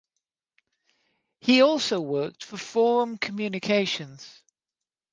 He also worked for Forum Communications.